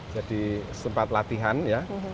jadi sempat latihan ya